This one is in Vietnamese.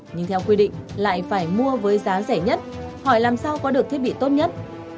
nhưng theo quy định lại phải mua với giá rẻ nhất họ làm sao có được thiết bị tốt nhất